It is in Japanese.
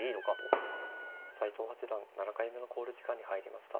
斎藤八段７回目の考慮時間に入りました。